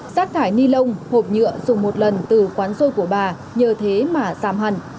rác thải ni lông hộp nhựa dùng một lần từ quán xôi của bà nhờ thế mà giảm hẳn